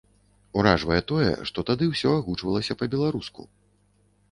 Уражвае тое, што тады ўсё агучвалася па-беларуску.